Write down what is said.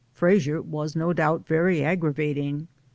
Frasier was no doubt very aggravating.